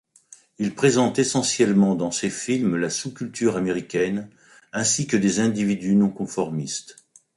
Il présente essentiellement dans ses films la sous-culture américaine ainsi que des individus non-conformistes.